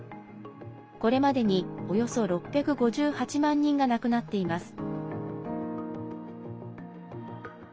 これまでに、およそ６５８万人が亡くなっています。